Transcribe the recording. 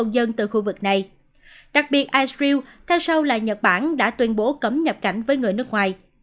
đặc biệt israel theo sau là nhật bản đã tuyên bố cấm nhập cảnh với người nước ngoài